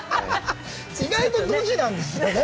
意外とドジなんですね。